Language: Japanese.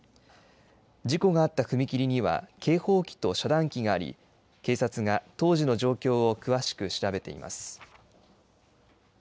事故があった踏切には、警報機と遮断機があり、警察が当時の状況を詳しく調べています。